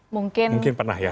mungkin pernah ya